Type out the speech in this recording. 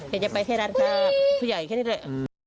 เดี๋ยวจะไปให้รักษาผู้ใหญ่แค่นี้เลย